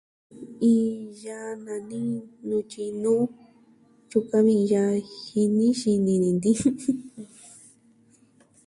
Iin yaa nani nutyi nuu yukuan vi iin yaa jini xini ni nti'in.